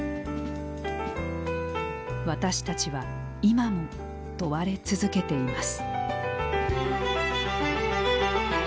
私たちは今も問われ続けています。